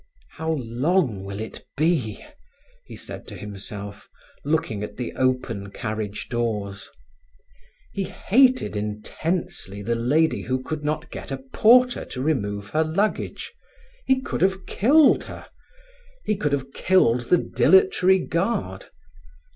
"How long will it be?" he said to himself, looking at the open carriage doors. He hated intensely the lady who could not get a porter to remove her luggage; he could have killed her; he could have killed the dilatory guard.